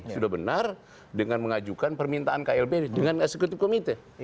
sudah benar dengan mengajukan permintaan klb dengan executive committee